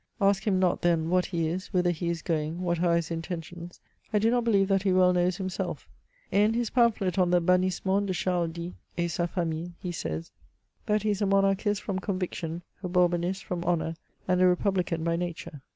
Ask him not then what he is, whither he is going, what are his intentions. I do not believe that he well knows himself. In his pamphlet on the Bannissement de Charles X. et safamille, he says, that ''he is a monarchist from conviction, a Bourbonnist from honour, and a republican by nature."